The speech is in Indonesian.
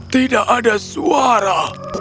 tidak ada suara